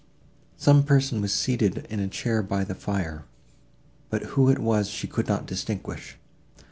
Some person was seated in a chair by the fire, but who it was she could not distinguish.